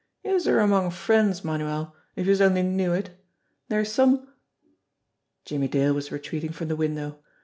Youse're among friends, Manuel, if youse only knew it. Dere's some " Jimmie Dale was retreating from the window.